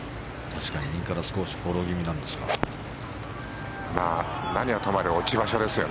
確かに右から少しフォロー気味なんですが。